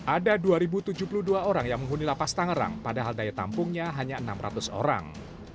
ada dua tujuh puluh dua orang yang menghuni lapas tangerang padahal daya tampungnya hanya enam ratus orang